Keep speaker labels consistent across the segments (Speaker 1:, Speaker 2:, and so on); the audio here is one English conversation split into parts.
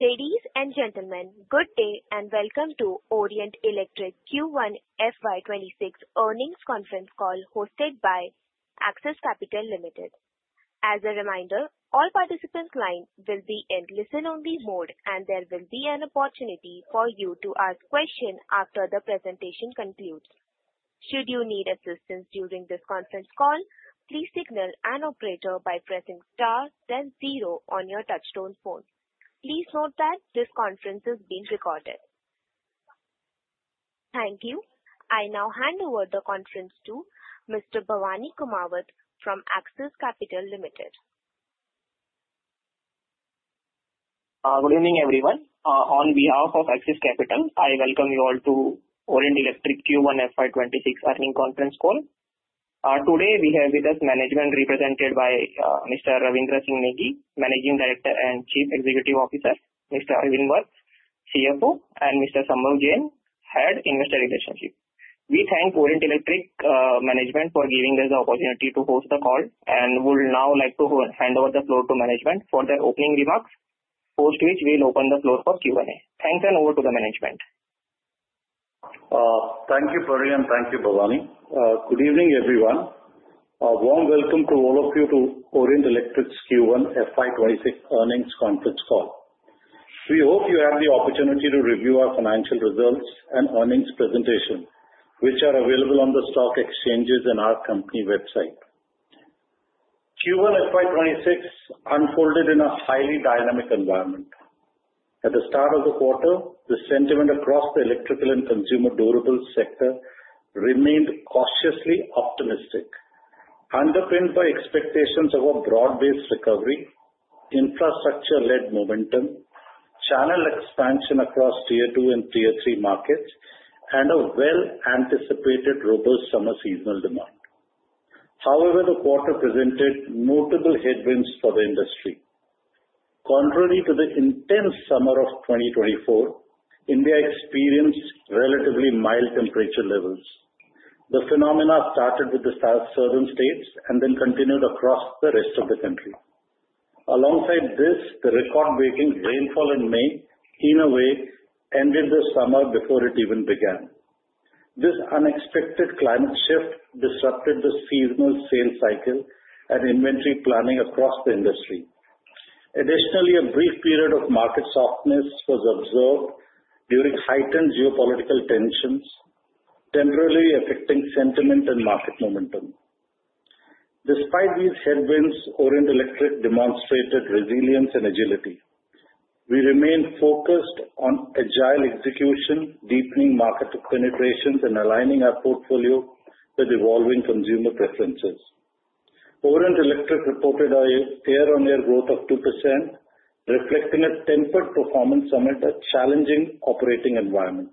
Speaker 1: Ladies and gentlemen, good day and welcome to Orient Electric Q1 FY26 earnings conference call hosted by Access Capital Limited. As a reminder, all participants' lines will be in listen-only mode, and there will be an opportunity for you to ask questions after the presentation concludes. Should you need assistance during this conference call, please signal an operator by pressing star, then zero on your touchtone phone. Please note that this conference is being recorded. Thank you. I now hand over the conference to Mr. Bhavani Kumarat from Access Capital Limited.
Speaker 2: Good evening, everyone. On behalf of Access Capital, I welcome you all to Orient Electric Q1 FY26 earnings conference call. Today, we have with us management represented by Mr. Ravindra Singh Negi, Managing Director and Chief Executive Officer, Mr. Arvind Vats, CFO, and Mr. Samar Jain, Head of Investor Relations. We thank Orient Electric Limited management for giving us the opportunity to host the call and would now like to hand over the floor to management for their opening remarks, after which we will open the floor for Q&A. Thanks and over to the management.
Speaker 3: Thank you, Pari. Thank you, Bhavani. Good evening, everyone. A warm welcome to all of you to Orient Electric's Q1 FY26 earnings conference call. We hope you have the opportunity to review our financial results and earnings presentation, which are available on the stock exchanges and our company website. Q1 FY26 unfolded in a highly dynamic environment. At the start of the quarter, the sentiment across the electrical and consumer durable sector remained cautiously optimistic, underpinned by expectations of a broad-based recovery, infrastructure-led momentum, channel expansion across tier two and tier three markets, and a well-anticipated robust summer seasonal demand. However, the quarter presented notable headwinds for the industry. Contrary to the intense summer of 2024, India experienced relatively mild temperature levels. The phenomena started with the southern states and then continued across the rest of the country. Alongside this, the record-breaking rainfall in May, in a way, ended the summer before it even began. This unexpected climate shift disrupted the seasonal sale cycle and inventory planning across the industry. Additionally, a brief period of market softness was observed during heightened geopolitical tensions, temporarily affecting sentiment and market momentum. Despite these headwinds, Orient Electric demonstrated resilience and agility. We remain focused on agile execution, deepening market penetrations, and aligning our portfolio with evolving consumer preferences. Orient Electric reported a year-on-year growth of 2%, reflecting a tempered performance summit, a challenging operating environment,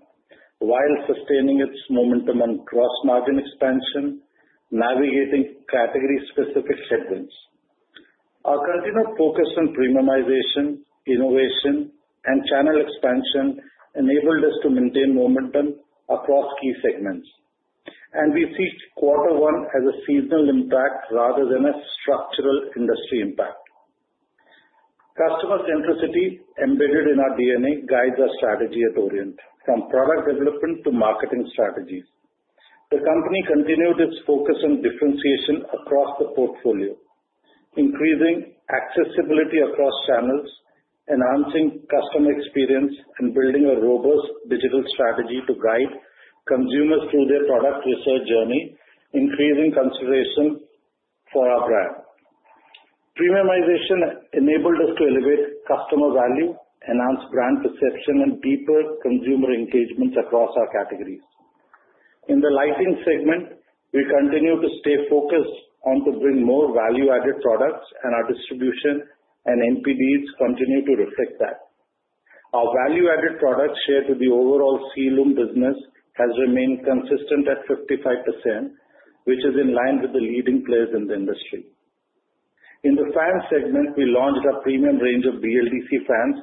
Speaker 3: while sustaining its momentum on gross margin expansion, navigating category-specific headwinds. Our continual focus on premiumization, innovation, and channel expansion enabled us to maintain momentum across key segments. We see quarter one as a seasonal impact rather than a structural industry impact. Customer centricity embedded in our DNA guides our strategy at Orient, from product development to marketing strategies. The company continued its focus on differentiation across the portfolio, increasing accessibility across channels, enhancing customer experience, and building a robust digital strategy to guide consumers through their product research journey, increasing consideration for our brand. Premiumization enabled us to elevate customer value, enhance brand perception, and deepen consumer engagement across our categories. In the lighting segment, we continue to stay focused on to bring more value-added products, and our distribution and NPDs continue to reflect that. Our value-added products share with the overall CLUM business has remained consistent at 55%, which is in line with the leading players in the industry. In the fan segment, we launched a premium range of BLDC fans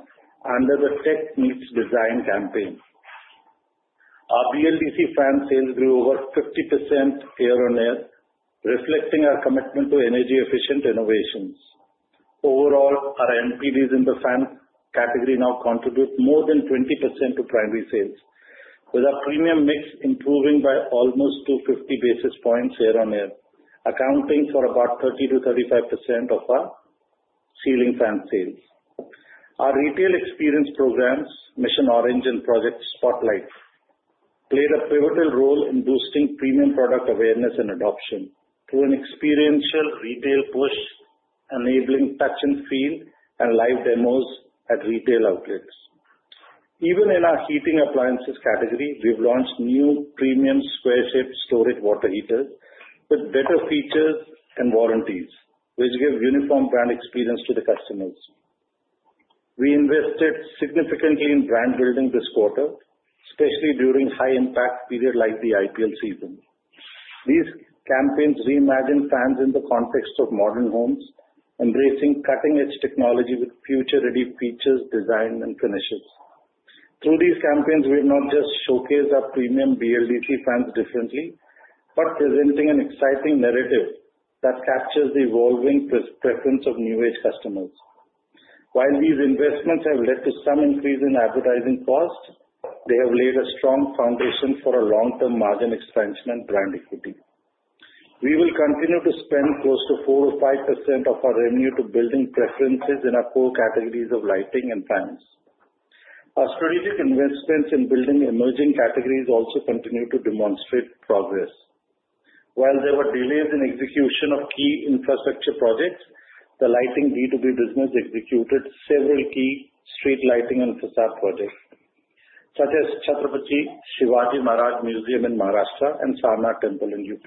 Speaker 3: under the Tech Niche Design campaign. Our BLDC fan sales grew over 50% year on year, reflecting our commitment to energy-efficient innovations. Overall, our NPDs in the fan category now contribute more than 20% to primary sales, with our premium mix improving by almost 250 basis points year on year, accounting for about 30%-35% of our ceiling fan sales. Our retail experience programs, Mission Orange and Project Spotlights, played a pivotal role in boosting premium product awareness and adoption through an experiential retail push, enabling touch and feel and live demos at retail outlets. Even in our heating appliances category, we've launched new premium square-foot fluoride water heaters with better features and warranties, which give uniform brand experience to the customers. We invested significantly in brand building this quarter, especially during high-impact periods like the IPL season. These campaigns reimagine fans in the context of modern homes, embracing cutting-edge technology with future-ready features, design, and finishes. Through these campaigns, we've not just showcased our premium BLDC fans differently, but presented an exciting narrative that captures the evolving preference of new age customers. While these investments have led to some increase in advertising costs, they have laid a strong foundation for a long-term margin expansion and brand equity. We will continue to spend close to 4%-5% of our revenue to building preferences in our core categories of lighting and fans. Our strategic investments in building emerging categories also continue to demonstrate progress. While there were delays in execution of key infrastructure projects, the lighting B2B business executed several key street lighting and facade projects, such as Chhatrapati Shivaji Maharaj Museum in Maharashtra and Sarnath Temple in UP.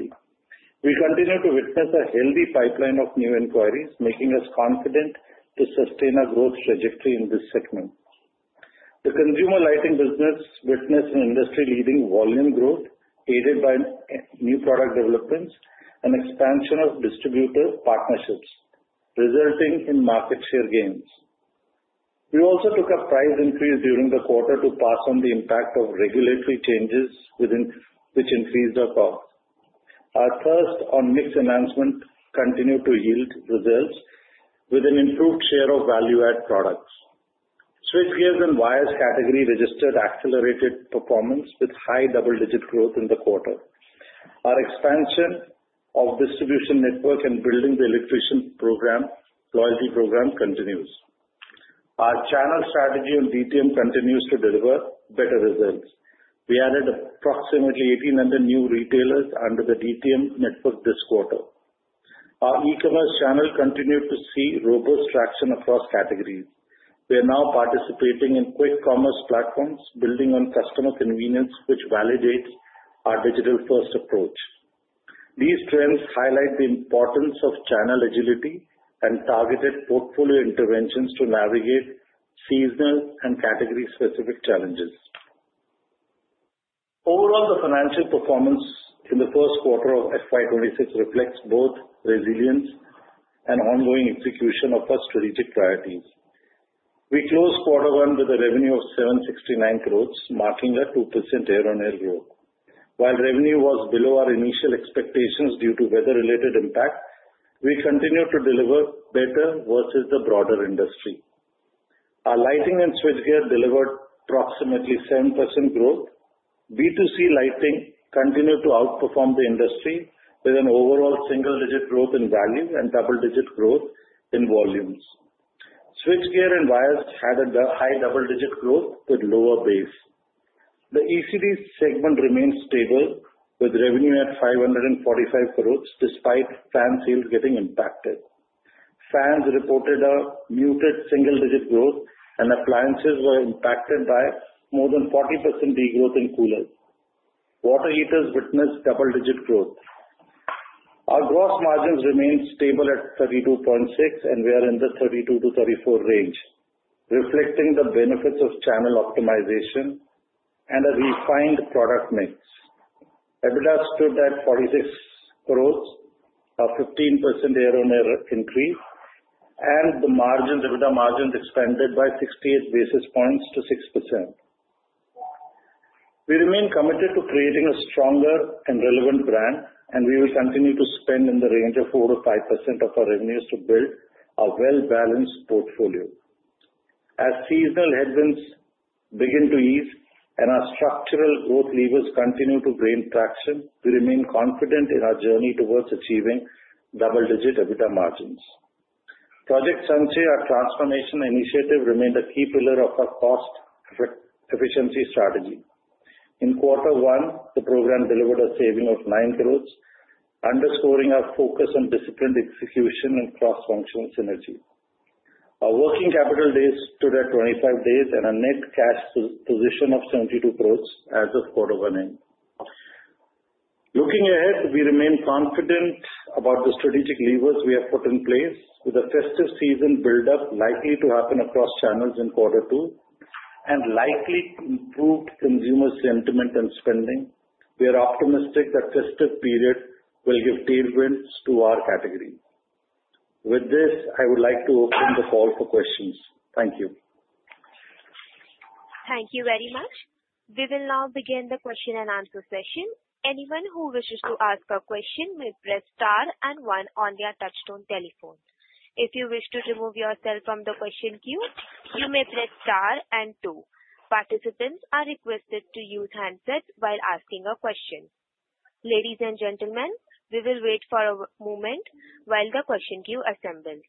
Speaker 3: We continue to witness a healthy pipeline of new inquiries, making us confident to sustain our growth trajectory in this segment. The consumer lighting business witnessed an industry-leading volume growth, aided by new product developments and expansion of distributor partnerships, resulting in market share gains. We also took a price increase during the quarter to part on the impact of regulatory changes, which increased our cost. Our thrust on mix enhancement continued to yield results with an improved share of value-added products. Switchgear and wires category registered accelerated performance with high double-digit growth in the quarter. Our expansion of distribution network and building the electrician program, loyalty program continues. Our channel strategy on DTM continues to deliver better results. We added approximately 1,800 new retailers under the DTM network this quarter. Our e-commerce channel continued to see robust traction across categories. We are now participating in quick commerce platforms, building on customer convenience, which validates our digital-first approach. These trends highlight the importance of channel agility and targeted portfolio interventions to navigate seasonal and category-specific challenges. Overall, the financial performance in the first quarter of FY2026 reflects both resilience and ongoing execution of our strategic priorities. We closed quarter one with a revenue of 769 crore, marking a 2% year-on-year growth. While revenue was below our initial expectations due to weather-related impacts, we continue to deliver better versus the broader industry. Our lighting and switchgear delivered approximately 7% growth. B2C lighting continued to outperform the industry with an overall single-digit growth in value and double-digit growth in volumes. Switchgear and wires had a high double-digit growth with lower base. The ECD segment remained stable with revenue at 545 crore despite fan sales getting impacted. Fans reported a muted single-digit growth, and appliances were impacted by more than 40% degrowth in air coolers. Water heaters witnessed double-digit growth. Our gross margins remained stable at 32.6%, and we are in the 32%-34% range, reflecting the benefits of channel optimization and a refined product mix. EBITDA stood at 46 crore, a 15% year-on-year increase, and the EBITDA margin expanded by 68 basis points to 6%. We remain committed to creating a stronger and relevant brand, and we will continue to spend in the range of 4%-5% of our revenues to build a well-balanced portfolio. As seasonal headwinds begin to ease and our structural growth levers continue to gain traction, we remain confident in our journey towards achieving double-digit EBITDA margins. Project Sanchay, our transformation initiative, remained a key pillar of our cost efficiency strategy. In quarter one, the program delivered a saving of 9 crore, underscoring our focus on disciplined execution and cross-functional synergy. Our working capital days stood at 25 days and a net cash position of 72 crore as of quarter one end. Looking ahead, we remain confident about the strategic levers we have put in place, with a festive season buildup likely to happen across channels in quarter two and likely improved consumer sentiment and spending. We are optimistic that festive periods will give tailwinds to our category. With this, I would like to open the floor for questions. Thank you.
Speaker 1: Thank you very much. We will now begin the question and answer session. Anyone who wishes to ask a question may press star and one on their touchtone telephone. If you wish to remove yourself from the question queue, you may press star and two. Participants are requested to use handsets while asking a question. Ladies and gentlemen, we will wait for a moment while the question queue assembles.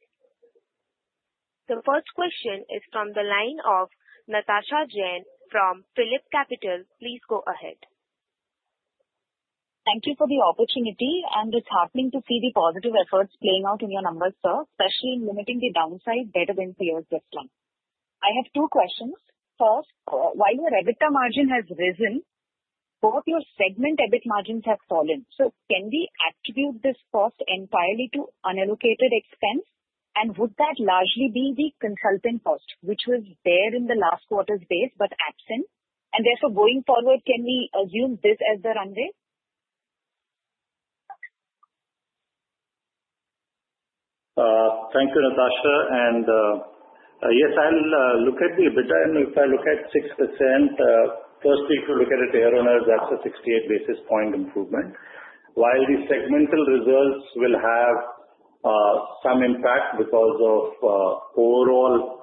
Speaker 1: The first question is from the line of Natasha Jain from PhillipCapital. Please go ahead.
Speaker 4: Thank you for the opportunity, and it's heartening to see the positive efforts playing out in your numbers, sir, especially in limiting the downside better than three years before. I have two questions. First, while your EBITDA margin has risen, both your segment EBIT margins have fallen. Can we attribute this cost entirely to unallocated expense, and would that largely be the consulting cost, which was there in the last quarter's days but absent? Therefore, going forward, can we assume this as the runway?
Speaker 5: Thank you, Natasha. Yes, I'll look at the EBITDA, and if I look at 6%, firstly, if you look at it year on year, that's a 68 basis point improvement. While the segmental results will have some impact because of overall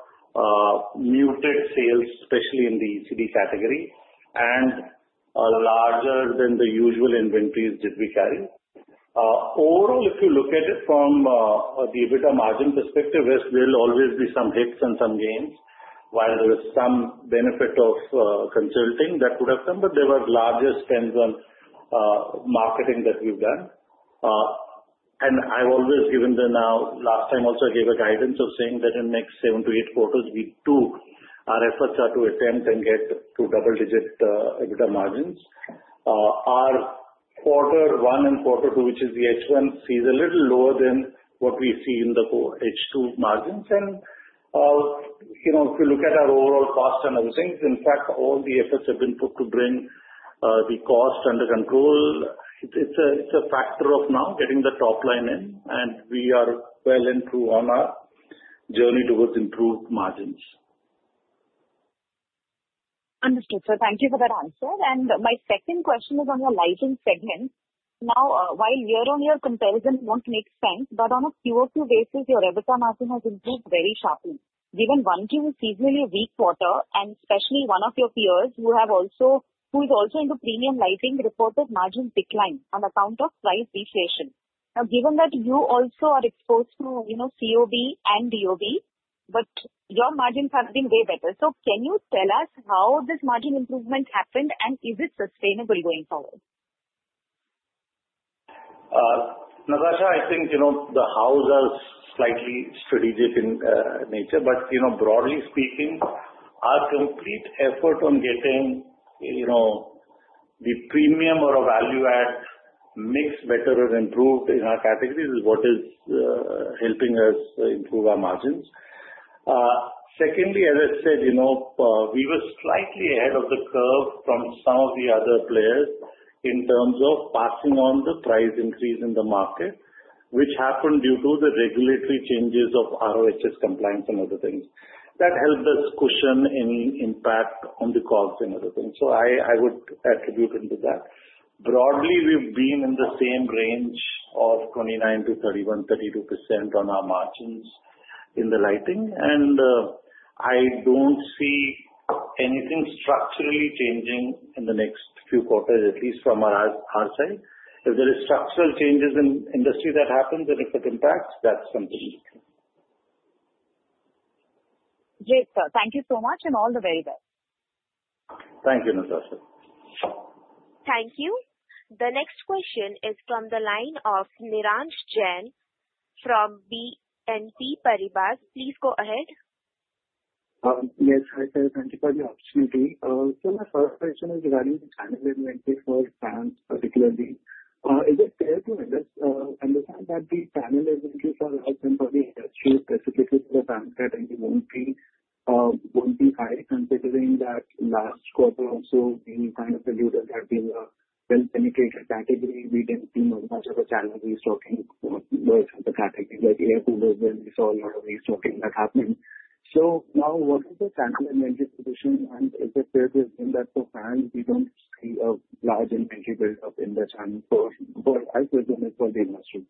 Speaker 5: muted sales, especially in the ECD category, and are larger than the usual inventories that we carry, overall, if you look at it from the EBITDA margin perspective, there will always be some hits and some gains, while there is some benefit of consulting that would have come, but there were larger spends on marketing that we've done. I've also given the guidance of saying that in the next seven to eight quarters, we do our efforts to attempt and get to double-digit EBITDA margins. Our quarter one and quarter two, which is the H1, sees a little lower than what we see in the H2 margins. If you look at our overall cost and everything, in fact, all the efforts have been put to bring the cost under control. It's a factor of now getting the top line in, and we are well into on our journey towards improved margins.
Speaker 4: Understood, sir. Thank you for that answer. My second question is on your lighting segment. Now, while year-on-year comparison won't make sense, on a Q2 basis, your EBITDA margin has improved very sharply. Given Q2 is a seasonally weak quarter, especially when one of your peers who is also into premium lighting reported margin decline on account of price appreciation. Now, given that you also are exposed to COB and DOB, your margins have been way better. Can you tell us how this margin improvement happened, and is it sustainable going forward?
Speaker 5: Natasha, I think you know the how's are slightly strategic in nature, but broadly speaking, our complete effort on getting the premium or a value-add mix better or improved in our categories is what is helping us improve our margins. Secondly, as I've said, we were slightly ahead of the curve from some of the other players in terms of passing on the price increase in the market, which happened due to the regulatory changes of RoHS compliance and other things. That helped us cushion any impact on the cost and other things. I would attribute it to that. Broadly, we've been in the same range of 29%-31%, 32% on our margins in the lighting. I don't see anything structurally changing in the next few quarters, at least from our side. If there are structural changes in the industry that happen and if it impacts, that's something we can.
Speaker 4: Great, sir. Thank you so much, and all the very best.
Speaker 5: Thank you, Natasha.
Speaker 1: Thank you. The next question is from the line of Neeraj Jain from BNP Paribas. Please go ahead.
Speaker 6: Yes, thank you for the opportunity. My first question is regarding the family revenue for fans, particularly. Is it fair to understand that the family revenues are low and only industry-specific to the fans that really won't be high, considering that last quarter also we kind of alluded that there was an implication category within the Mumbai channel restocking was the category that air coolers when we saw a lot of restocking that happened. What is the family revenue position, and is it fair to assume that for fans we don't see a large inventory buildup in the channel? I presume it's for the industry.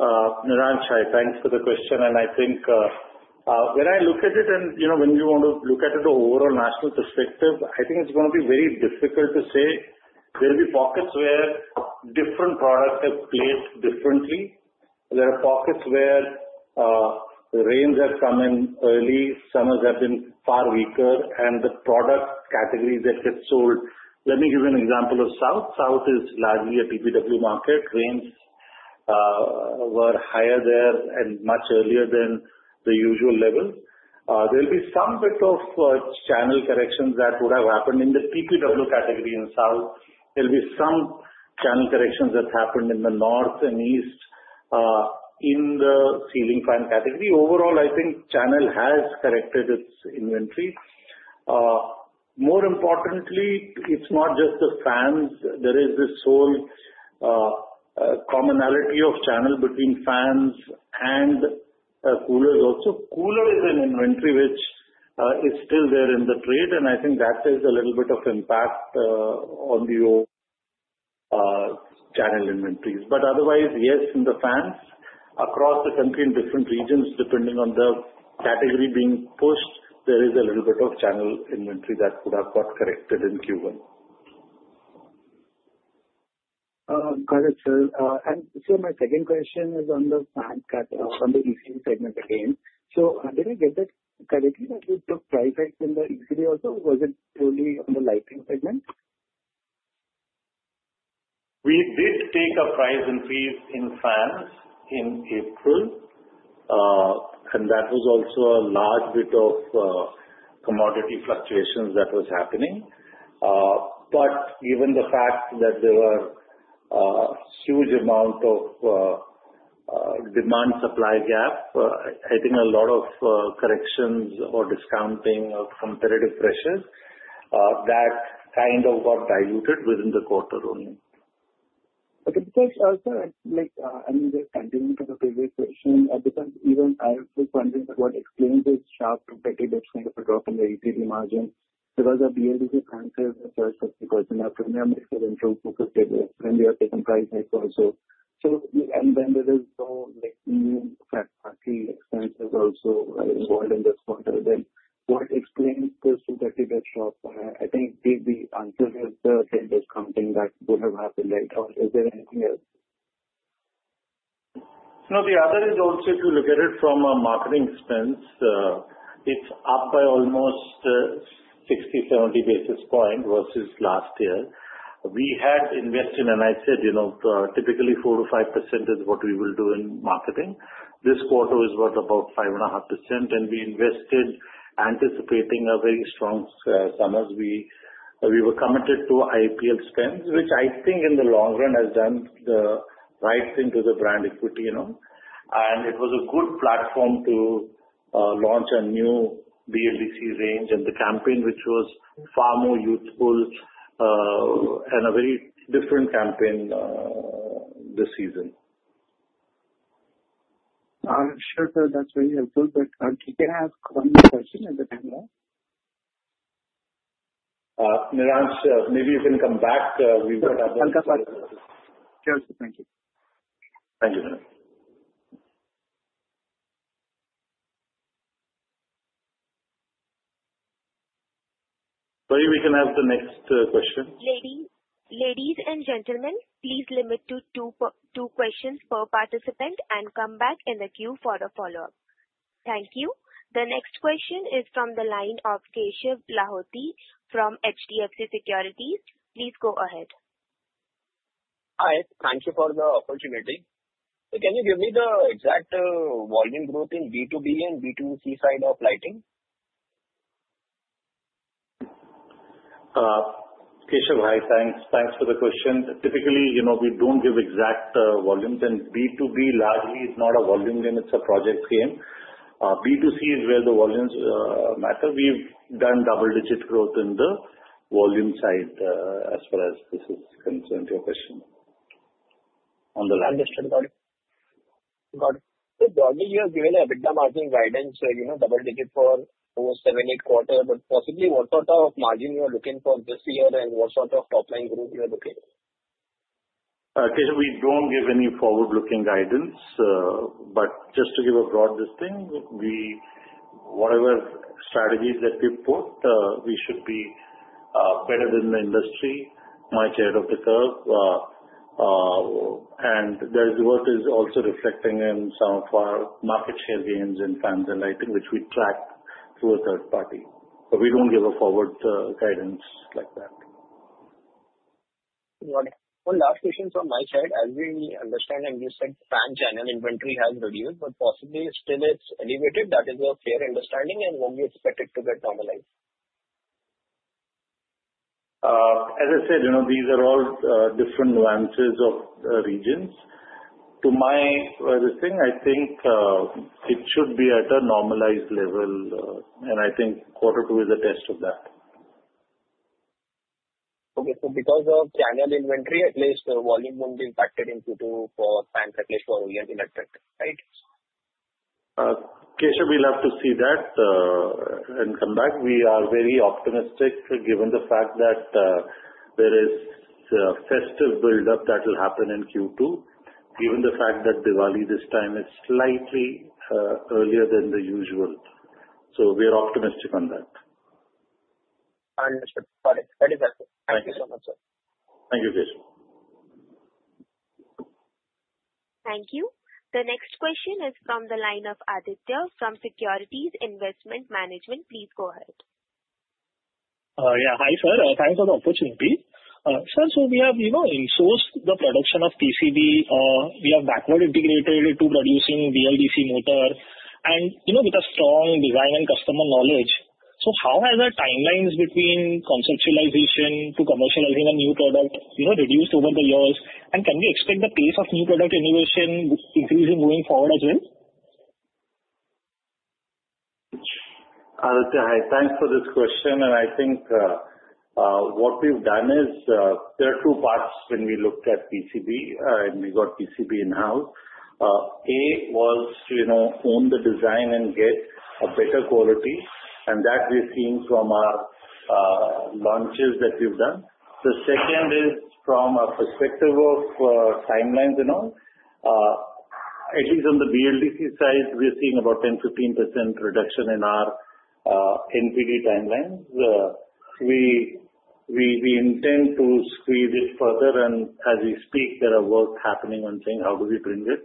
Speaker 5: Neeraj Jain, thanks for the question. I think when I look at it and you know when you want to look at it from an overall national perspective, I think it's going to be very difficult to say. There will be pockets where different products have played differently. There are pockets where the rains have come in early, summers have been far weaker, and the product categories that get sold. Let me give you an example of South. South is largely a PPW market. Rains were higher there and much earlier than the usual levels. There will be some bit of channel corrections that would have happened in the PPW category in South. There will be some channel corrections that happened in the North and East in the ceiling fan category. Overall, I think channel has corrected its inventory. More importantly, it's not just the fans. There is this whole commonality of channel between fans and coolers also. Coolers are an inventory which is still there in the trade, and I think that has a little bit of impact on the channel inventories. Otherwise, yes, in the fans across the country in different regions, depending on the category being pushed, there is a little bit of channel inventory that would have got corrected in Q1.
Speaker 6: Got it, sir. My second question is on the fan cut or on the ECD segment again. Did I get that correctly that the price hike in the ECD also wasn't only on the lighting segment?
Speaker 5: We did take a price increase in fans in April, and that was also a large bit of commodity fluctuations that was happening. Given the fact that there was a huge amount of demand-supply gap, I think a lot of corrections or discounting or comparative pressures, that kind of got diluted within the quarter only.
Speaker 6: Okay. Thanks, sir. Just continuing to the previous question, because even I was thinking about what explains this sharp, petty dip, kind of a drop in the ECD margin. There was a BLDC fan sales increase of 20% after the numbers that include focus days and they have taken price hikes also. There is no new fancy expenses also involved in this quarter. What explains this petty dip? I think the answer is the same discounting that would have happened, right? Is there anything else?
Speaker 5: If you look at it from a marketing expense, it's up by almost 60 basis points, 70 basis points versus last year. We had invested, and I said, you know, typically 4%-5% is what we will do in marketing. This quarter was about 5.5%, and we invested anticipating a very strong summer. We were committed to IPL spend, which I think in the long run has done the right thing to the brand equity. It was a good platform to launch a new BLDC range and the campaign, which was far more youthful and a very different campaign this season.
Speaker 6: Sure, sir. That's very helpful. We can ask one more question at the time now.
Speaker 5: Neeraj, maybe you can come back. We would have.
Speaker 6: I'll come back. Sure. Thank you.
Speaker 5: Thank you, Neeraj.
Speaker 3: Sorry, we can ask the next question.
Speaker 1: Ladies and gentlemen, please limit to two questions per participant and come back in the queue for a follow-up. Thank you. The next question is from the line of Keshav Lahoti from HDFC Securities. Please go ahead.
Speaker 7: Hi. Thank you for the opportunity. Can you give me the exact volume growth in B2B and B2C side of lighting?
Speaker 5: Keshav, thanks for the question. Typically, you know, we don't give exact volume. B2B largely is not a volume game. It's a project game. B2C is where the volumes matter. We've done double-digit growth in the volume side as far as this is concerned to a question on the larger side.
Speaker 7: Got it. Broadly, you're giving EBITDA margin guidance, you know, double-digit for those seven, eight quarters, but possibly what sort of margin you're looking for this year and what sort of top-line growth you're looking for?
Speaker 5: Keshav, we don't give any forward-looking guidance, but just to give a broad listing, whatever strategies that we put, we should be better than the industry, much ahead of the curve. Their growth is also reflecting in some of our market share gains in fans and lighting, which we track through a third party. We don't give a forward guidance like that.
Speaker 7: Got it. One last question from my side. As we understand, and you said fan channel inventory has reduced, but possibly still it's elevated. That is a fair understanding, and when you expect it to get normalized?
Speaker 5: As I said, these are all different nuances of regions. To my listing, I think it should be at a normalized level, and I think quarter two is a test of that.
Speaker 7: Okay. Because of channel inventory, at least the volume won't be impacted in Q2 for fans, at least for Orient Electric Limited, right?
Speaker 5: Keshav, we'll have to see that and come back. We are very optimistic given the fact that there is a festive buildup that will happen in Q2, given the fact that Diwali this time is slightly earlier than the usual. We are optimistic on that.
Speaker 7: Understood. Got it. Very helpful. Thank you so much, sir.
Speaker 5: Thank you, Keshav.
Speaker 1: Thank you. The next question is from the line of Aditya from Securities Investment Management. Please go ahead.
Speaker 8: Yeah. Hi, sir. Thanks for the opportunity. Sir, we have insourced the production of PCB. We have backward integrated it to producing BLDC motor. You know, with a strong design and customer knowledge, how has our timelines between conceptualization to commercializing a new product reduced over the years? Can we expect the pace of new product innovation increasing going forward as well?
Speaker 5: Aditya, hi. Thanks for this question. I think what we've done is there are two parts when we looked at PCB, and we got PCB in-house. A was to own the design and get a better quality, and that we're seeing from our launches that we've done. The second is from a perspective of timelines and all. At least on the BLDC side, we're seeing about 10%, 15% reduction in our NPD timeline. We intend to squeeze it further, and as we speak, there are works happening on saying how do we bring it,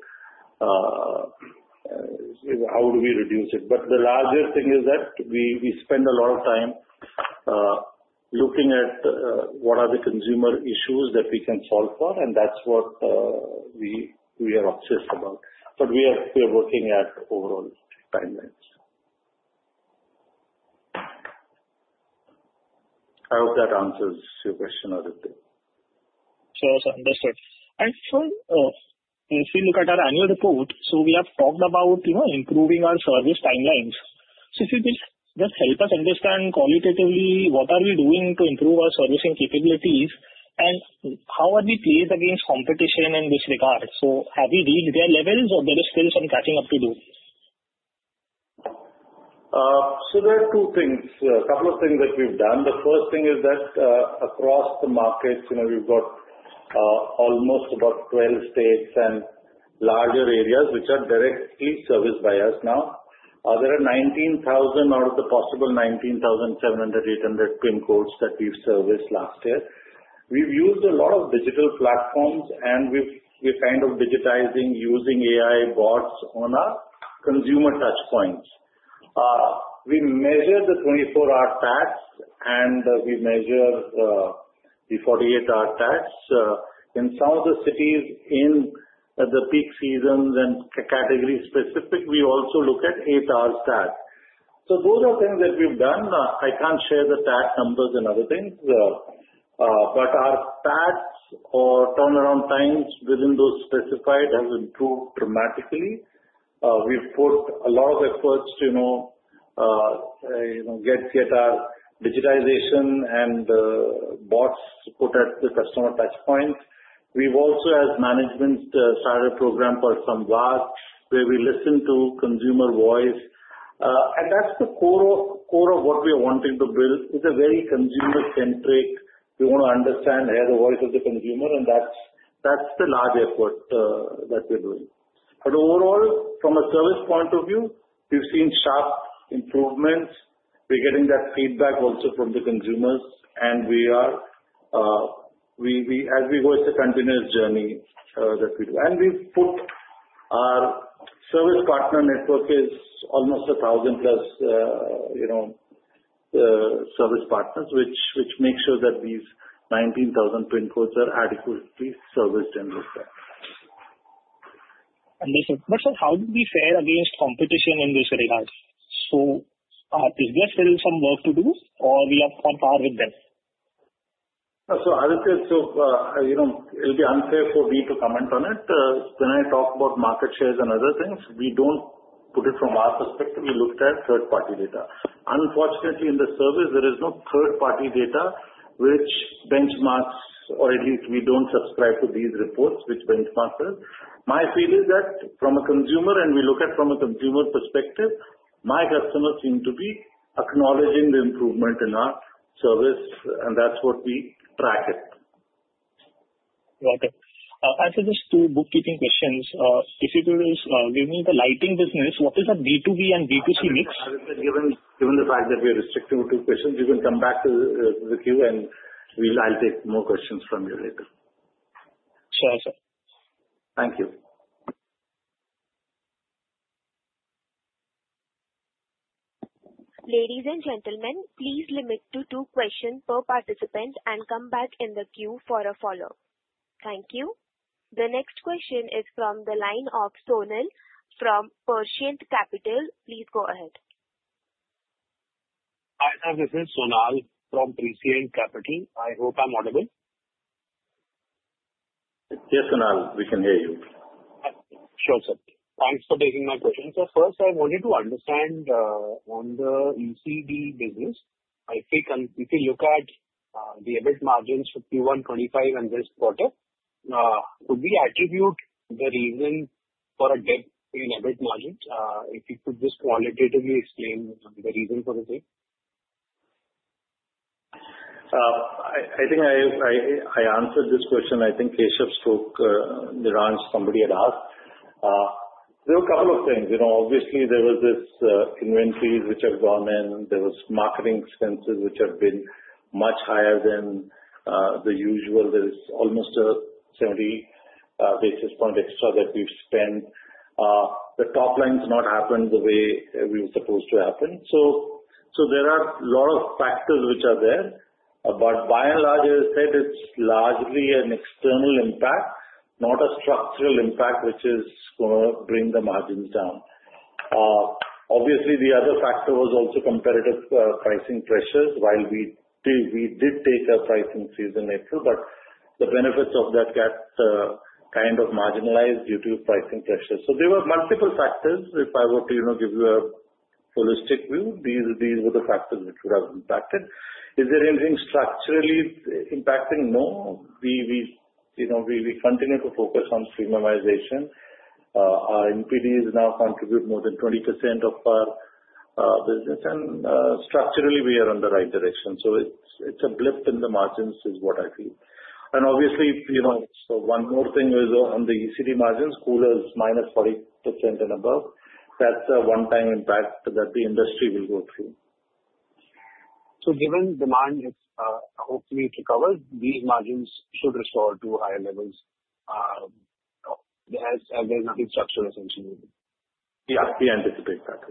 Speaker 5: how do we reduce it. The larger thing is that we spend a lot of time looking at what are the consumer issues that we can solve for, and that's what we are obsessed about. We are looking at overall timelines. I hope that answers your question, Aditya.
Speaker 8: Sure. Sir, understood. If we look at our annual report, we have talked about improving our service timelines. If you could just help us understand qualitatively what are we doing to improve our servicing capabilities and how are we playing against competition in this regard. Have you reached their levels, or is there still some catching up to do?
Speaker 5: There are two things. A couple of things that we've done. The first thing is that across the markets, we've got almost about 12 states and larger areas, which are direct e-service buyers now. There are 19,000 out of the possible 19,700, 19,800 PIN codes that we've serviced last year. We've used a lot of digital platforms, and we're kind of digitizing using AI bots on our consumer touchpoints. We measure the 24-hour stats and we measure the 48-hour stats. In some of the cities in the peak seasons and category-specific, we also look at eight-hour stats. Those are things that we've done. I can't share the numbers and everything. Our stats or turnaround times within those specified have improved dramatically. We've put a lot of efforts to get our digitization and the bots put at the customer touchpoints. We've also, as management, started a program for some Samvad where we listen to consumer voice. That's the core of what we are wanting to build. It's very consumer-centric. We want to understand the voice of the consumer, and that's the large effort that we're doing. Overall, from a service point of view, we've seen sharp improvements. We're getting that feedback also from the consumers, and as we go into a continuous journey, the feedback. We've put our service partner network is almost 1,000+ service partners, which makes sure that these 19,000 PIN codes are adequately serviced and those things.
Speaker 8: Understood. How do we fare against competition in this regard? Is there still some work to do, or do we have some power with them?
Speaker 5: Aditya, It would be unfair for me to comment on it. When I talk about market shares and other things, we don't put it from our perspective. We looked at third-party data. Unfortunately, in the service, there is no third-party data which benchmarks, or at least we don't subscribe to these reports which benchmark this. My feeling is that from a consumer, and we look at it from a consumer perspective, my customers seem to be acknowledging the improvement in our service, and that's what we track it.
Speaker 8: Got it. I have just two bookkeeping questions. If you could give me the lighting business, what is the B2B and B2C mix?
Speaker 5: Aditya, given the fact that we're restricting two questions, you can come back to the queue, and I'll take more questions from you later.
Speaker 8: Sure, sir.
Speaker 5: Thank you.
Speaker 1: Ladies and gentlemen, please limit to two questions per participant and come back in the queue for a follow-up. Thank you. The next question is from the line of Sonal from Prescient Capital. Please go ahead.
Speaker 9: Hi. As I said, Sonal from Prescient Limited. I hope I'm audible.
Speaker 5: Yes, Sonal, we can hear you.
Speaker 9: Sure, sir. Thanks for taking my question. Sir, first, I wanted to understand on the ECD business. If you look at the EBIT margins Q1 2025 in this quarter, could we attribute the reason for a dip in EBIT margins? If you could just qualitatively explain the reason for the decline.
Speaker 5: I think I answered this question. I think Keshav spoke, Neeraj, somebody had asked. There are a couple of things. Obviously, there were these inventories which have gone in. There were marketing expenses which have been much higher than the usual. There's almost a 70 basis point extra that we've spent. The top line has not happened the way we were supposed to happen. There are a lot of factors which are there. By and large, as I said, it's largely an external impact, not a structural impact which is going to bring the margins down. Obviously, the other factor was also competitive pricing pressures. While we did take a pricing freeze in April, the benefits of that got kind of marginalized due to pricing pressures. There were multiple factors. If I were to give you a holistic view, these were the factors which would have impacted. Is there anything structurally impacted? No. We continue to focus on premiumization. Our NPDs now contribute more than 20% of our business. Structurally, we are on the right direction. It's a lift in the margins is what I feel. Obviously, one more thing is on the ECD margins, coolers, -40% and above. That's a one-time impact that the industry will go through.
Speaker 9: Given demand, hopefully, it's recovered, these margins should restore to higher levels as there is a good structure essentially.
Speaker 5: Yeah, we anticipate that.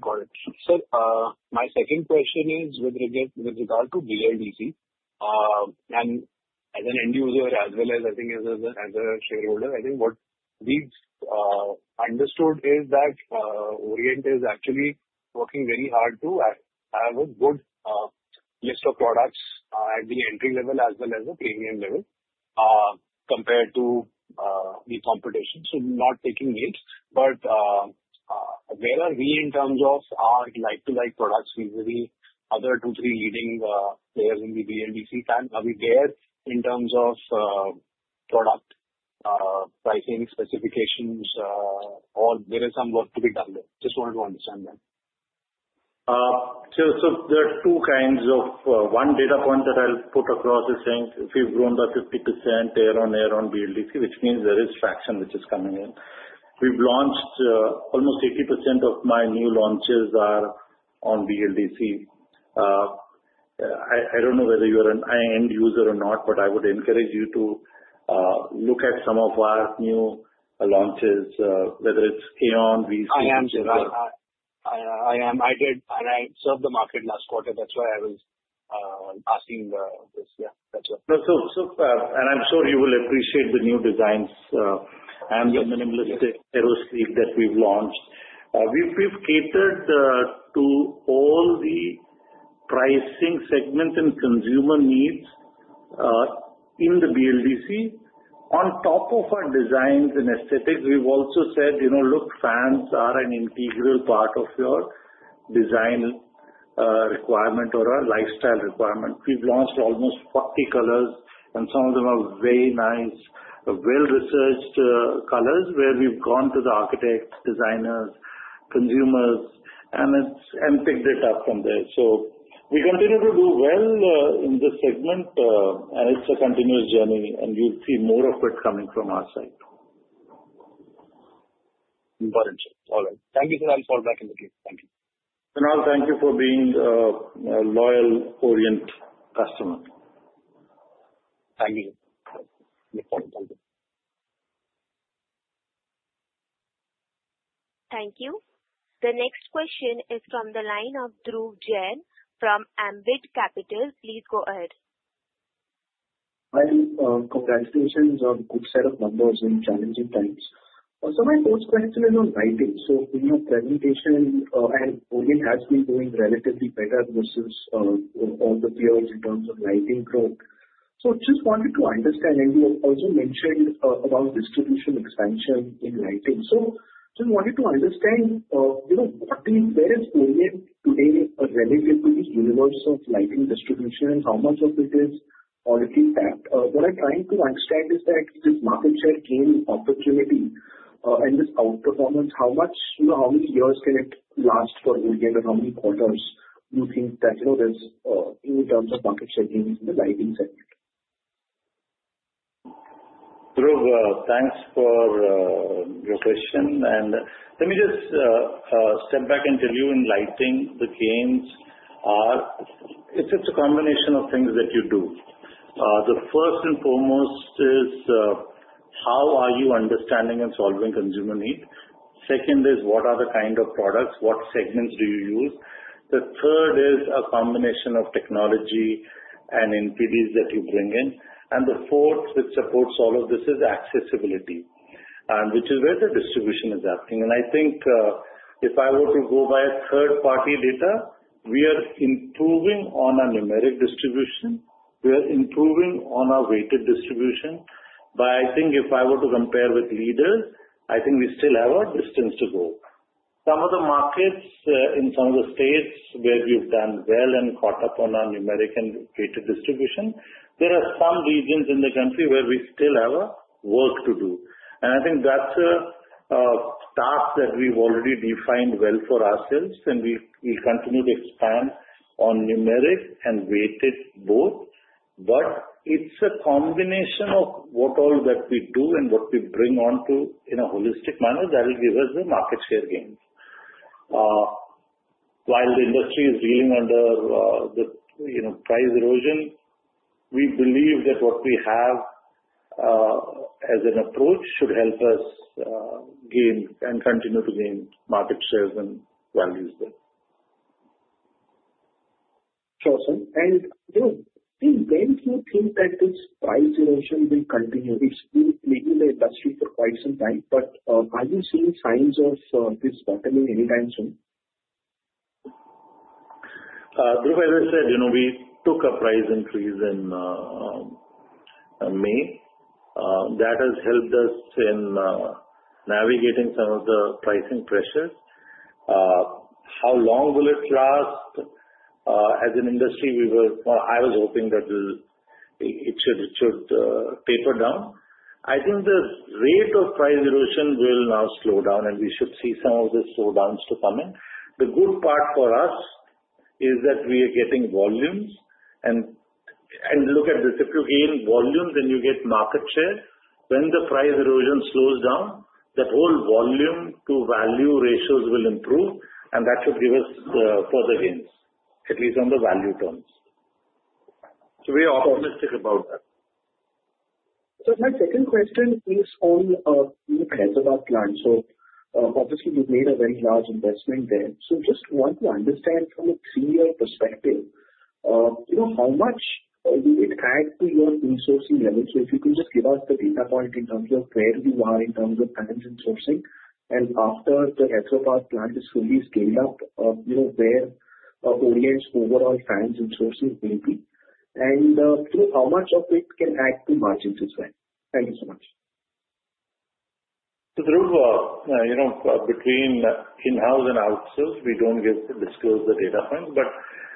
Speaker 9: Got it. Sir, my second question is with regard to BLDC. As an end user, as well as I think users as a shareholder, I think what needs understood is that Orient is actually working very hard to have a good list of products at the entry level as well as the premium level compared to the competition. Not taking it, but where are we in terms of our like-to-like products with the other two, three leading players in the BLDC fan? Are we there in terms of product pricing specifications? Or there is some work to be done there? Just wanted to understand that.
Speaker 5: There are two kinds of one data point that I'll put across is saying we've grown by 50% year on year on BLDC, which means there is traction which is coming in. We've launched almost 80% of my new launches are on BLDC. I don't know whether you're an end user or not, but I would encourage you to look at some of our new launches, whether it's Aeon VC ceiling fan.
Speaker 9: I did serve the market last quarter. That's why I was asking this. Yeah, that's why.
Speaker 5: I'm sure you will appreciate the new designs and the minimalistic aerosleeve that we've launched. We've catered to all the pricing segments and consumer needs in the BLDC. On top of our designs and aesthetics, we've also said, you know, look, fans are an integral part of your design requirement or our lifestyle requirement. We've launched almost 40 colors, and some of them are very nice, well-researched colors where we've gone to the architects, designers, consumers, and picked it up from there. We continue to do well in this segment, and it's a continuous journey, and we'll see more of it coming from our side.
Speaker 9: Got it. All right. Thank you so much for the opportunity.
Speaker 5: Sonal, thank you for being a loyal Orient customer.
Speaker 9: Thank you.
Speaker 1: Thank you. The next question is from the line of Dhruv Jain from Ambit Capital. Please go ahead.
Speaker 10: That's a good set of numbers in challenging times. My first question is on lighting. In your presentation, Orient Electric has been going relatively better versus all the peers in terms of lighting growth. I just wanted to understand, and you also mentioned about distribution expansion in lighting. I just wanted to understand what came there period to period relative to this universe of lighting distribution and how much of it is quality. What I'm trying to understand is that if this market says in opportunity and this outperformance, how much, you know, how many years can it last for Orient and how many quarters do you think that, you know, there's in terms of market share gains in the lighting sector?
Speaker 5: Dhruv, thanks for your question. Let me just step back and tell you in lighting, the gains are, it's a combination of things that you do. The first and foremost is how are you understanding and solving consumer need. Second is what are the kind of products, what segments do you use. The third is a combination of technology and NPDs that you bring in. The fourth, which supports all of this, is accessibility, which is where the distribution is happening. I think if I were to go by third-party data, we are improving on our numeric distribution. We are improving on our weighted distribution. If I were to compare with leaders, I think we still have a distance to go. Some of the markets in some of the states where we've done well and caught up on our numeric and weighted distribution, there are some regions in the country where we still have work to do. I think that's a task that we've already defined well for ourselves, and we continue to expand on numeric and weighted both. It's a combination of what all that we do and what we bring onto in a holistic manner that will give us the market share gains. While the industry is dealing under the price erosion, we believe that what we have as an approach should help us gain and continue to gain market shares and values there.
Speaker 10: Sure, sir. If there is no impact on price erosion, it will continue. It may still be in the industry for quite some time, but are we seeing signs of this happening anytime soon?
Speaker 5: As I said, you know, we took a price increase in May. That has helped us in navigating some of the pricing pressures. How long will it last? As an industry, I was hoping that it should taper down. I think the rate of price erosion will now slow down, and we should see some of the slowdowns to come in. The good part for us is that we are getting volumes. If you gain volume, then you get market share. When the price erosion slows down, that whole volume to value ratios will improve, and that would give us further gains, at least on the value terms. We are optimistic about that.
Speaker 10: My second question is on you talked about fans. Obviously, you've made a very large investment there. I just want to understand from a three-year perspective, you know, how much will it add to your insourcing levels? If you can just give us the data point in terms of where you are in terms of fans and sourcing, and after the retrofit plan is fully scaled up, you know, where Orient's overall fans and sources may be, and through how much of it can add to margins as well. Thank you so much.
Speaker 5: Dhruv, between in-house and outsource, we don't disclose the data point.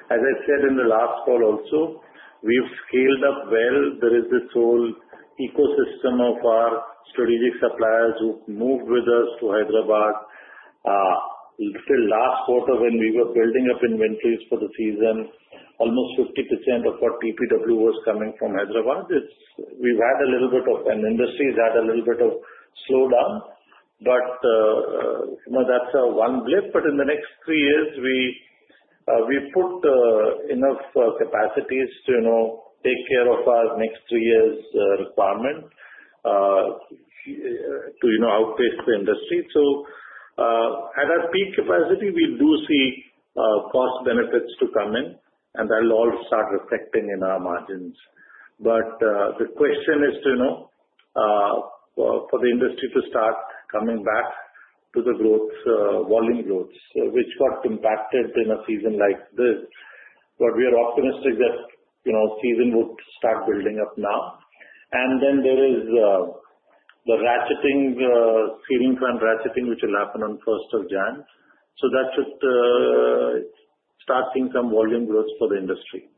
Speaker 5: As I said in the last call also, we've scaled up well. There is this whole ecosystem of our strategic suppliers who've moved with us to Hyderabad. You can say last quarter when we were building up inventories for the season, almost 50% of what PPW was coming from Hyderabad. We've had a little bit of, and industries had a little bit of slowdown. That's a one lift. In the next three years, we've put enough capacities to, you know, take care of our next three years' requirements to, you know, outpace the industry. At our peak capacity, we do see cost benefits to come in, and that'll all start reflecting in our margins. The question is for the industry to start coming back to the growth, volume growth, which got impacted in a season like this. We are optimistic that, you know, season would start building up now. There is the ratcheting, ceiling fan ratcheting, which will happen on 1st of Jan. That should start seeing some volume growth for the industry.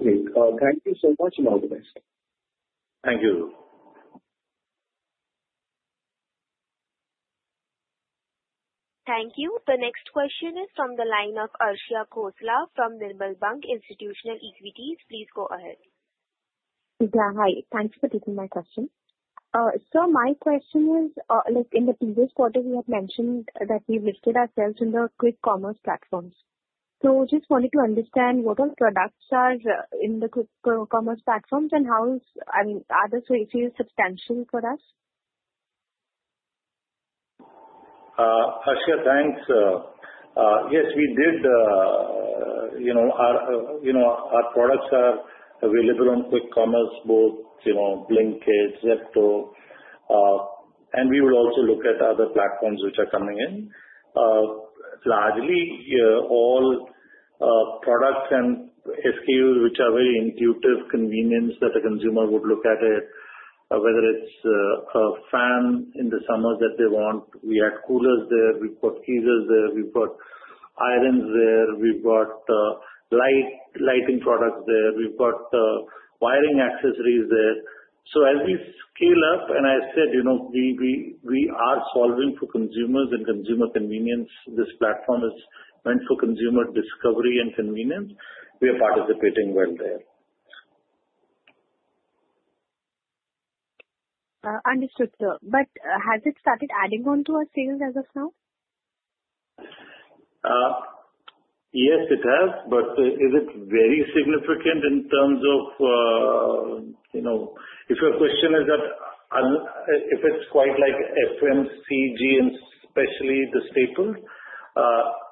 Speaker 10: Great. Thank you so much, and all the best.
Speaker 5: Thank you.
Speaker 1: Thank you. The next question is from the line of Arshia Khosla from Nirmal Bank-Institutional Equities. Please go ahead.
Speaker 11: Hi. Thank you for taking my question. Sir, my question is, like in the previous quarter, you have mentioned that we listed ourselves in the quick commerce platforms. I just wanted to understand what our products are in the quick commerce platforms and how, I mean, are the sources substantial for us?
Speaker 5: Arshia, thanks. Yes, we did. Our products are available on quick commerce, both Blinkit, Zepto, and we will also look at other platforms which are coming in. Largely, all products and SKUs which are very intuitive, convenient that the consumer would look at it, whether it's a fan in the summer that they want. We add air coolers there. We've got keys there. We've got irons there. We've got lighting products there. We've got wiring accessories there. As we scale up, and I said, we are solving for consumers and consumer convenience. This platform is meant for consumer discovery and convenience. We are participating well there.
Speaker 11: Understood, sir. Has it started adding on to our sales as of now?
Speaker 5: Yes, it has, but is it very significant in terms of, you know, if your question is that if it's quite like FMCG and especially the staples,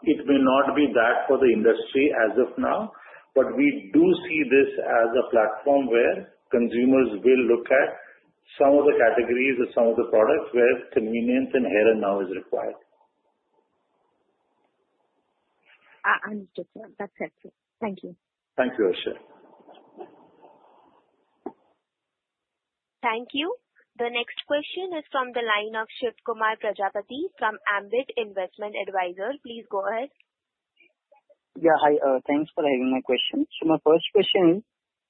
Speaker 5: it may not be that for the industry as of now. We do see this as a platform where consumers will look at some of the categories or some of the products where convenience and here and now is required.
Speaker 11: Understood, sir. That's excellent. Thank you.
Speaker 5: Thank you, Arshia.
Speaker 1: Thank you. The next question is from the line of Shivkumar Prajapati from Ambit Investment Advisor. Please go ahead.
Speaker 12: Yeah, hi. Thanks for having my question. My first question is,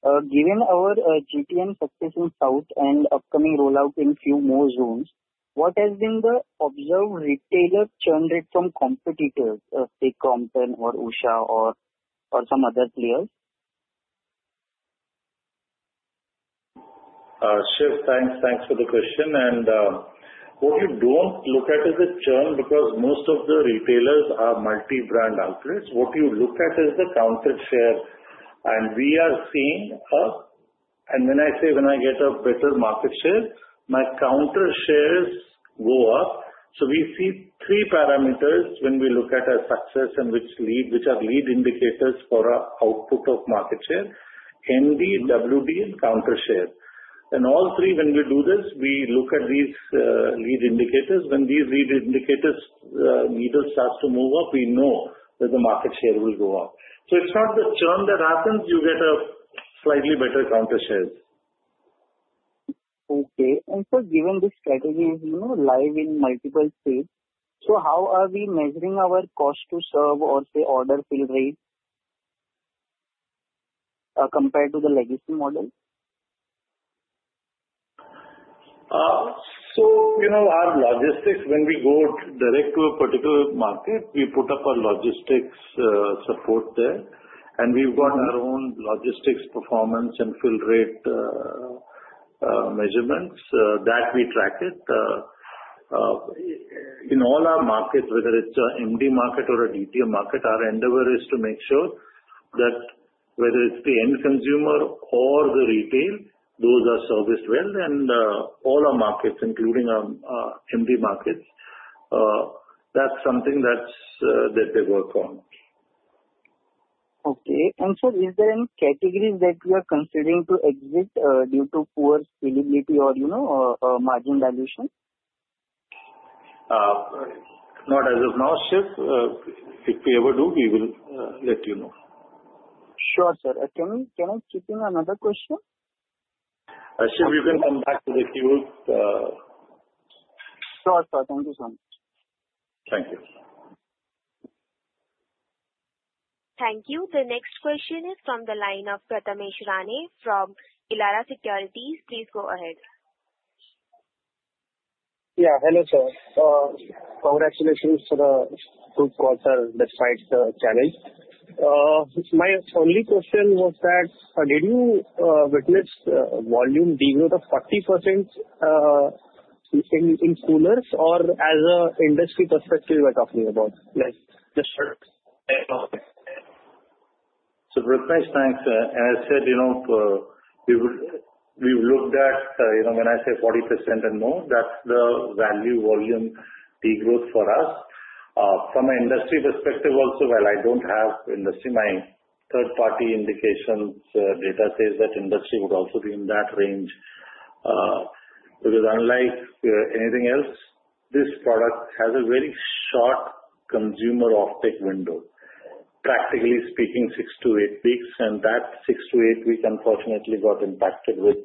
Speaker 12: given our GTM practice in South and upcoming rollout in few more zones, what has been the observed retailer churn rate from competitors? Take Crompton or Usha or some other players.
Speaker 5: Shiv, thanks. Thanks for the question. What you don't look at is the churn because most of the retailers are multi-brand outlets. What you look at is the counter share. We are seeing up. When I say when I get a better market share, my counter shares go up. We see three parameters when we look at our success, which are lead indicators for our output of market share: MD, WD, and counter share. All three, when we do this, we look at these lead indicators. When these lead indicators, the meter starts to move up, we know that the market share will go up. It's not the churn that happens. You get a slightly better counter share.
Speaker 12: Okay. Sir, given this strategy, you know, live in multiple states, how are we measuring our cost to serve or say order sale rate compared to the legacy model?
Speaker 5: Our logistics, when we go direct to a particular market, we put up our logistics support there. We've got our own logistics performance and fill rate measurements that we track. In all our markets, whether it's an MD market or a DTM model market, our endeavor is to make sure that whether it's the end consumer or the retail, those are serviced well. In all our markets, including our MD markets, that's something that they work on.
Speaker 12: Okay. Sir, is there any category that we are considering to exit due to poor scalability or, you know, margin dilution?
Speaker 5: Not as of now, Shiv. If we ever do, we will let you know.
Speaker 12: Sure, sir. Can I keep in another question?
Speaker 5: Shiv, you can come back to the queue.
Speaker 12: Sure, sir. Thank you so much.
Speaker 5: Thank you.
Speaker 1: Thank you. The next question is from the line of Prathamesh Rane from Elara Securities. Please go ahead.
Speaker 13: Yeah. Hello, sir. Congratulations to the group calls that tried to challenge. My only question was that, did you witness volume deeper than 40% in coolers or as an industry perspective we're talking about?
Speaker 5: Prathamesh, thanks. As I said, we've looked at, you know, when I say 40% and more, that's the value volume degrowth for us. From an industry perspective also, while I don't have industry, my third-party indication data says that industry would also be in that range. Unlike anything else, this product has a very short consumer offtake window, practically speaking, six to eight weeks. That six to eight weeks, unfortunately, got impacted with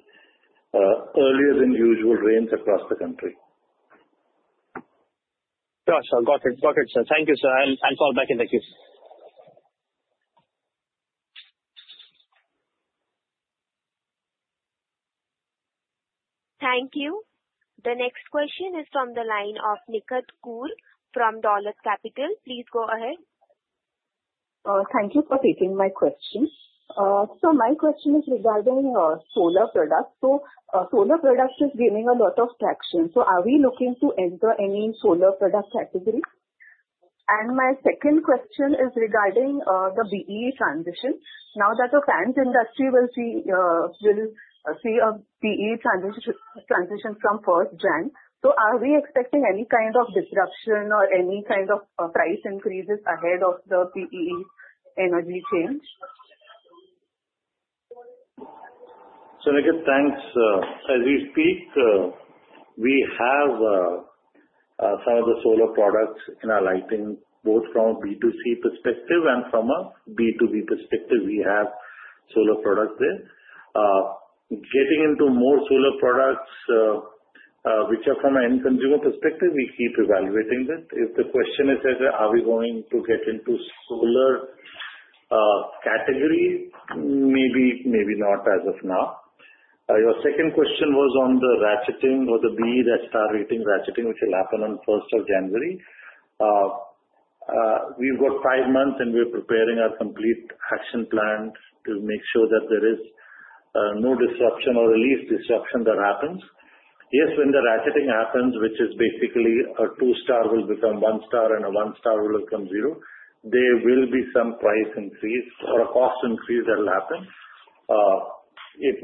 Speaker 5: earlier than usual rain across the country.
Speaker 13: Got it. Thank you, sir. I'll call back in the queue.
Speaker 1: Thank you. The next question is from the line of Nikhat Koor from Dolat Capital. Please go ahead.
Speaker 14: Thank you for taking my question. My question is regarding solar products. Solar products are gaining a lot of traction. Are we looking to enter any solar product categories? My second question is regarding the BEE transition. Now that the fan industry will see a BEE transition from January 1, are we expecting any kind of disruption or any kind of price increases ahead of the BEE energy chain?
Speaker 5: Nikhat, thanks. As you speak, we have found the solar products in our lighting, both from a B2C perspective and from a B2B perspective, we have solar products there. Getting into more solar products, which are from an end consumer perspective, we keep evaluating it. If the question is, are we going to get into solar category? Maybe not as of now. Your second question was on the ratcheting or the BEE Star rating ratcheting, which will happen on January 1, 2025. We've got five months, and we're preparing our complete action plans to make sure that there is no disruption or the least disruption that happens. Yes, when the ratcheting happens, which is basically a two-star will become one star, and a one-star will become zero, there will be some price increase or a cost increase that will happen. It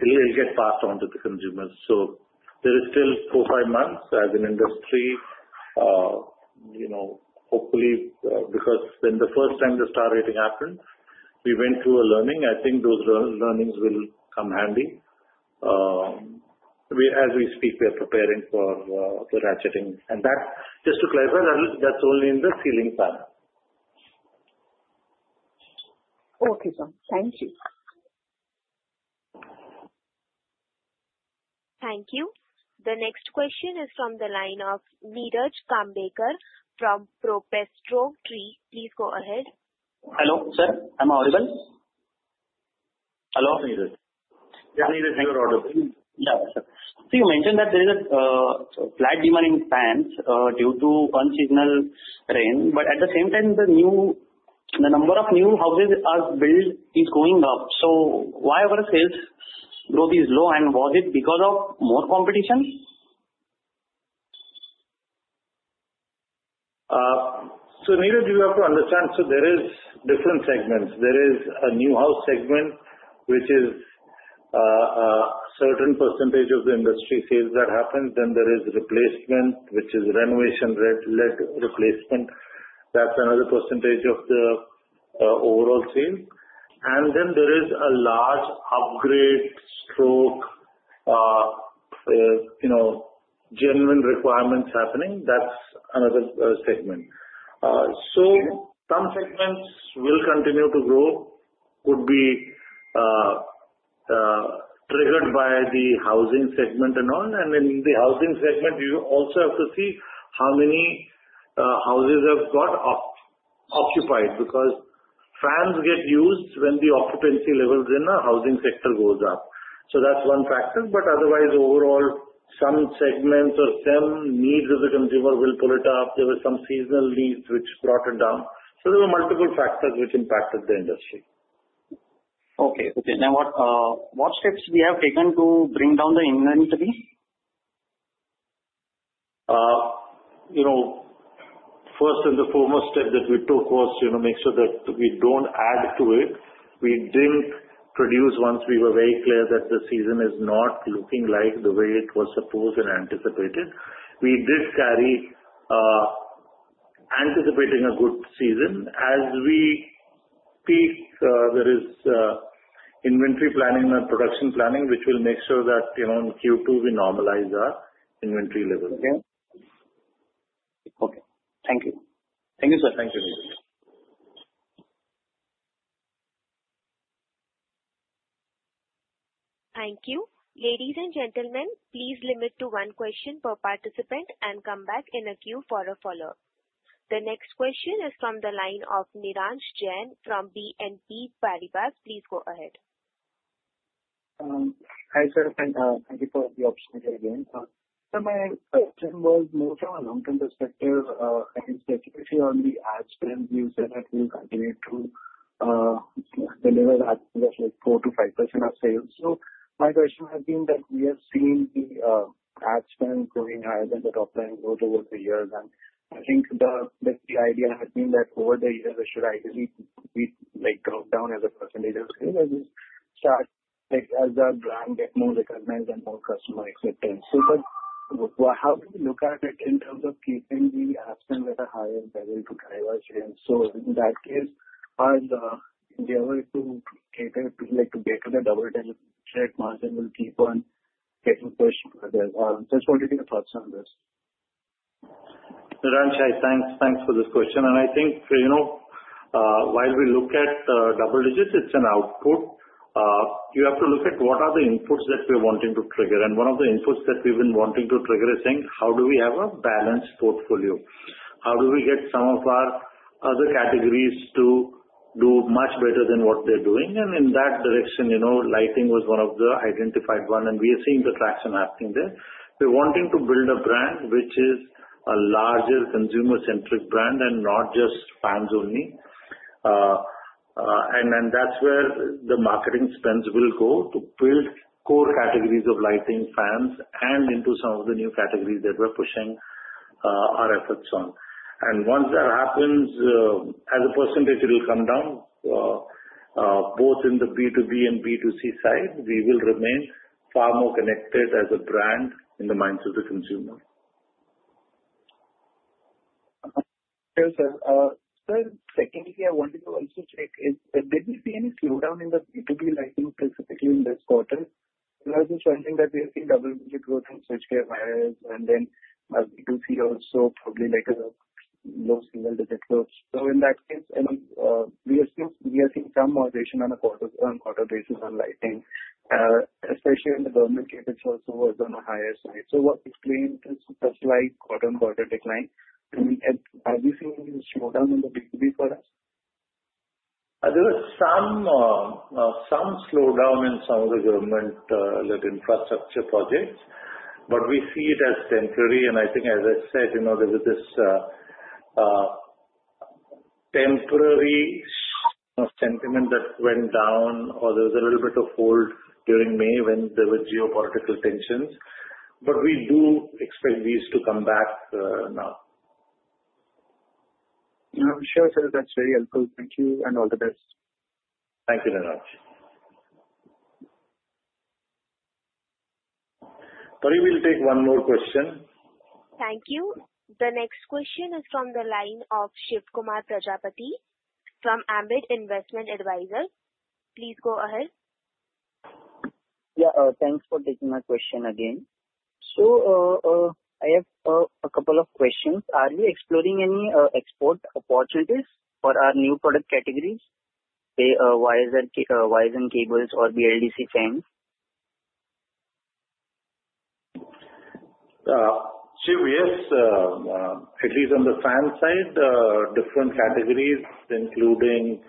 Speaker 5: will get passed on to the consumers. There is still four or five months as an industry, you know, hopefully, because when the first time the Star rating happened, we went through a learning. I think those learnings will come handy. As we speak, we're preparing for the ratcheting. That's just to clarify, and that's only in the ceiling fan.
Speaker 14: Okay, sir. Thank you.
Speaker 1: Thank you. The next question is from the line of Niraj Kamtekar from PropesroTree. Please go ahead.
Speaker 15: Hello, sir. I'm audible?
Speaker 5: Hello, Niraj. Yeah, Neeraj, you're audible.
Speaker 15: Sir, you mentioned that there is a flat demand in fans due to unseasonal rain. At the same time, the number of new houses built is going up. Why were sales growth is low? Was it because of more competition?
Speaker 5: Niraj, you have to understand. There are different segments. There is a new house segment, which is a certain percentage of the industry sales that happens. Then there is replacement, which is renovation-led replacement. That's another percentage of the overall sales. There is a large upgrade, stroke, you know, genuine requirements happening. That's another segment. Some segments will continue to grow, could be triggered by the housing segment and all. In the housing segment, you also have to see how many houses have got occupied because fans get used when the occupancy levels in the housing sector go up. That's one factor. Otherwise, overall, some segments or some needs of the consumer will pull it up. There were some seasonal needs which brought it down. There were multiple factors which impacted the industry.
Speaker 15: Okay. Okay. Now, what steps do we have taken to bring down the inventory?
Speaker 5: First and the foremost step that we took was, you know, make sure that we don't add to it. We didn't produce once we were very clear that the season is not looking like the way it was supposed and anticipated. We did carry anticipating a good season. As we speak, there is inventory planning and production planning, which will make sure that, you know, in Q2, we normalize our inventory levels.
Speaker 15: Okay, thank you. Thank you, sir.
Speaker 5: Thank you.
Speaker 1: Thank you. Ladies and gentlemen, please limit to one question per participant and come back in a queue for a follow-up. The next question is from the line of Neeraj Jain from BNP Paribas. Please go ahead.
Speaker 6: Hi, sir. Thank you for the opportunity again. My question was more from a long-term perspective. If you only add spend, you said that you're able to deliver that just with 4%-5% of sales. My question has been that we have seen the ad spend going higher than the top line growth over the years. I think the ideal has been that over the years, it should actually drop down as a percentage of sales and we start as a brand, get more recognition and more customers with them. How do we look at it in terms of keeping the ad spend at a higher level to drive our sales? In that case, if we ever get to a period to get to the double-digit margin, will it keep on getting pushed further? I just wanted your thoughts on this.
Speaker 5: Neeraj, thanks. Thanks for this question. I think, you know, while we look at double digits, it's an output. You have to look at what are the inputs that we're wanting to trigger. One of the inputs that we've been wanting to trigger is saying, how do we have a balanced portfolio? How do we get some of our other categories to do much better than what they're doing? In that direction, lighting was one of the identified ones, and we are seeing the traction happening there. We're wanting to build a brand which is a larger consumer-centric brand and not just fans only. That's where the marketing spends will go to build core categories of lighting, fans, and into some of the new categories that we're pushing our efforts on. Once that happens, as a percentage will come down, both in the B2B and B2C side, we will remain far more connected as a brand in the minds of the consumer.
Speaker 6: Yes, sir. I wanted to also check, did we see any slowdown in the B2B lighting specifically in this quarter? I was just wondering that we have seen double-digit growth in switchgear wires and then multiple zero soaps, probably like a low single-digit soaps. In that case, you know, we have seen some moderation on a quarter-on-quarter basis on lighting, especially in the government catered soaps who were on a higher side. What explains this first-wide quarter-on-quarter decline? Have we seen any slowdown in the B2B for us?
Speaker 5: There was some slowdown in some of the government-led infrastructure projects, but we see it as temporary. I think, as I said, there was this temporary sentiment that went down, or there was a little bit of hold during May when there were geopolitical tensions. We do expect these to come back now.
Speaker 6: Sure, sir. That's very helpful. Thank you and all the best.
Speaker 5: Thank you very much. Pari, we'll take one more question.
Speaker 1: Thank you. The next question is from the line of Shivkumar Prajapati from Ambit Investment Advisor. Please go ahead.
Speaker 12: Thank you for taking my question again. I have a couple of questions. Are we exploring any export opportunities for our new product categories, say wires and cables or BLDC fans?
Speaker 5: At least on the fan side, different categories, including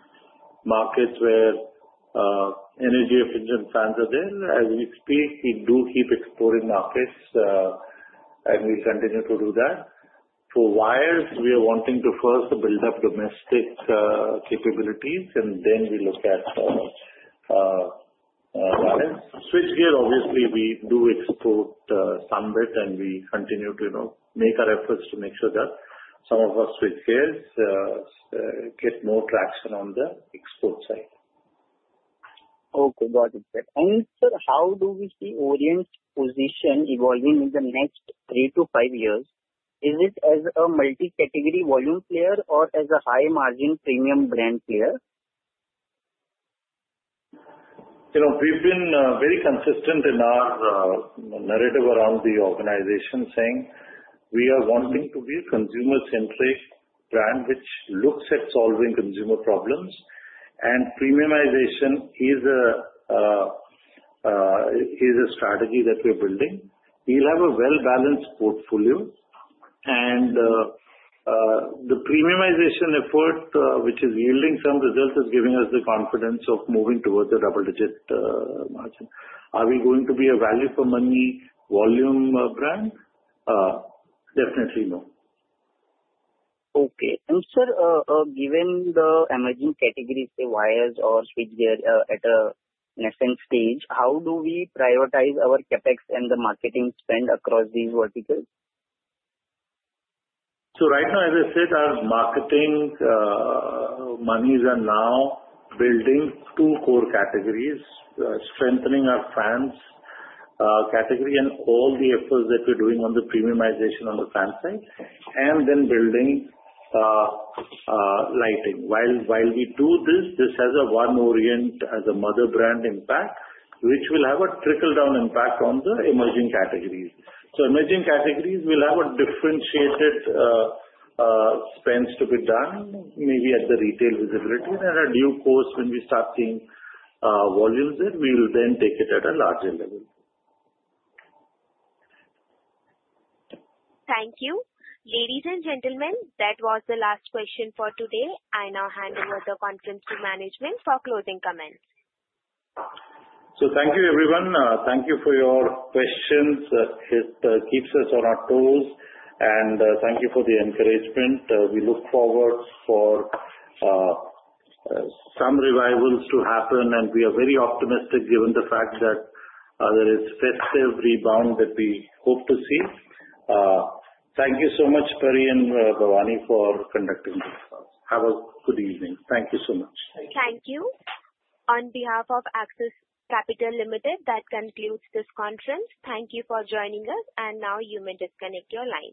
Speaker 5: markets where energy efficient fans are there. As we speak, we do keep exploring markets, and we continue to do that. For wires, we are wanting to first build up domestic capabilities, and then we look at switchgear. Obviously, we do export some of it, and we continue to make our efforts to make sure that some of our switchgear gets more traction on the export side.
Speaker 12: Okay. Got it. Sir, how do we see Orient's position evolving in the next three to five years? Is it as a multi-category volume player or as a high-margin premium brand player?
Speaker 5: You know, we've been very consistent in our narrative around the organization saying we are wanting to be a consumer-centric brand which looks at solving consumer problems, and premiumization is a strategy that we're building. We'll have a well-balanced portfolio, and the premiumization effort, which is yielding some results, is giving us the confidence of moving towards a double-digit margin. Are we going to be a value-for-money volume brand? Definitely, no.
Speaker 12: Okay. Sir, given the emerging categories, say wires or switchgear at a nascent stage, how do we prioritize our CapEx and the marketing spend across these verticals?
Speaker 5: Right now, as I said, our marketing monies are now building two core categories, strengthening our fans category and all the efforts that we're doing on the premiumization on the fan side, and then building lighting. While we do this, this has a warm Orient as a mother brand impact, which will have a trickle-down impact on the emerging categories. Emerging categories will have a differentiated spend to be done, maybe at the retail visibility. At a new cost, when we start seeing volume there, we will then take it at a larger level.
Speaker 1: Thank you. Ladies and gentlemen, that was the last question for today. I now hand over the conference to management for closing comments.
Speaker 5: Thank you, everyone. Thank you for your questions. It keeps us on our toes, and thank you for the encouragement. We look forward for some revivals to happen. We are very optimistic given the fact that there is a festive rebound that we hope to see. Thank you so much, Pari and Bhavani, for conducting this. Have a good evening. Thank you so much.
Speaker 1: Thank you. On behalf of Access Capital Limited, that concludes this conference. Thank you for joining us. You may disconnect your line.